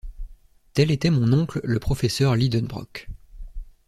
Tel était mon oncle le professeur Lidenbrock.